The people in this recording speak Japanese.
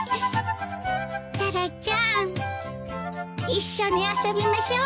一緒に遊びましょ。